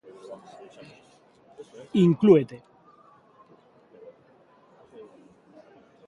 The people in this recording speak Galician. Inclúete.